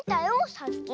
さっき。